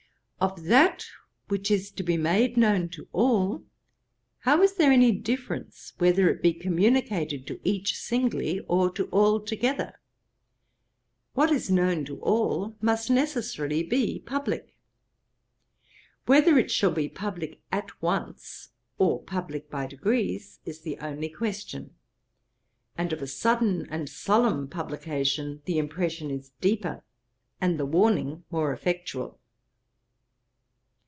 Of that which is to be made known to all, how is there any difference whether it be communicated to each singly, or to all together? What is known to all, must necessarily be publick. Whether it shall be publick at once, or publick by degrees, is the only question. And of a sudden and solemn publication the impression is deeper, and the warning more effectual.